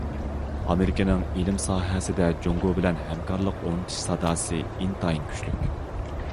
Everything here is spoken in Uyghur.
ئامېرىكىنىڭ ئىلىم ساھەسىدە جۇڭگو بىلەن ھەمكارلىق ئورنىتىش ساداسى ئىنتايىن كۈچلۈك.